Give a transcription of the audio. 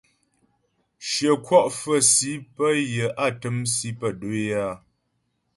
Shyə kwɔ' fə̌ si pə́ yə á təm si pə́ do'o é áa.